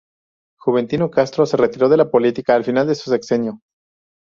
Juventino Castro se retiró de la política al final de su sexenio.